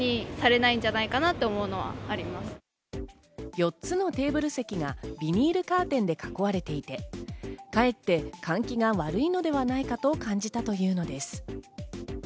４つのテーブル席がビニールカーテンで囲われていて、かえって換気が悪いのではないかと感じたというのです。